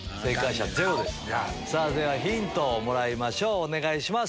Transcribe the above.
ではヒントをもらいましょうお願いします。